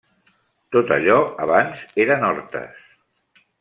Tot allò, abans, eren hortes.